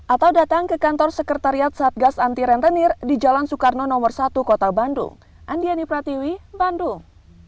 atau datang ke kantor sekretariat satgas anti rentenir di jalan soekarno nomor satu kota bandung